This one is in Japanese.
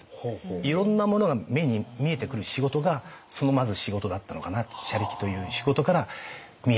いろんなものが目に見えてくる仕事がそのまず仕事だったのかなと車力という仕事から見えてきたのかなと。